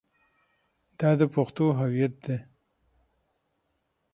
دا د پښتنو هویت دی.